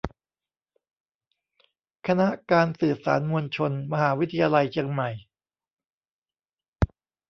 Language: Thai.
คณะการสื่อสารมวลชน มหาวิทยาลัยเชียงใหม่